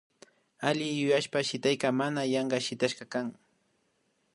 Alli yuyashpa shitaykaka mana yanka shitashka kan